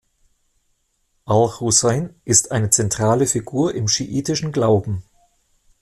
Al-Husain ist eine zentrale Figur im schiitischen Glauben.